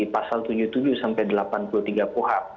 pasal tujuh puluh tujuh sampai delapan puluh tiga kuhap